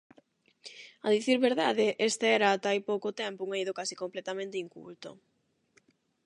A dicir verdade, este era ata hai pouco tempo un eido case completamente inculto.